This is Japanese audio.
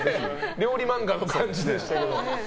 料理漫画の対決でしたけど。